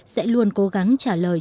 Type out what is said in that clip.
sẽ luôn cố gắng trả lời